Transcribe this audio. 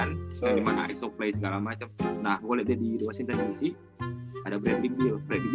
nah gimana iso play segala macem nah gua liat deh di dua scene tadi pada bradley gile